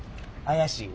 怪しい。